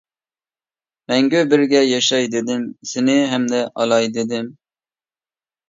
مەڭگۈ بىرگە ياشاي دېدىم، سېنى ھەمدە ئالاي دېدىم.